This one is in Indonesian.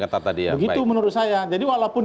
data tadi ya begitu menurut saya jadi walaupun